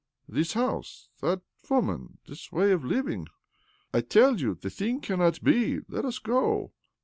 " This house, that wom^n, this way of living ?— I tell you the thing cannot be. Let us go."